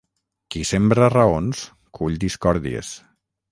Qui sembra raons, cull discòrdies.